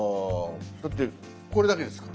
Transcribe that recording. だってこれだけですから。